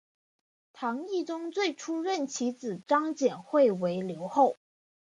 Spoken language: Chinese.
唐懿宗最初任其子张简会为留后。